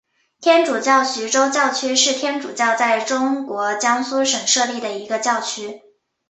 天主教徐州教区是天主教在中国江苏省设立的一个教区。